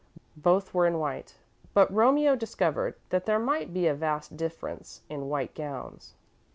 Both were in white, but Romeo discovered that there might be a vast difference in white gowns.